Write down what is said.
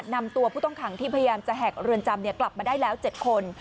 นำตัวผู้ต้องขังที่พยายามจะแหกเรือนจำกลับมาได้แล้ว๗คน